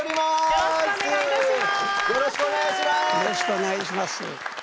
よろしくお願いします。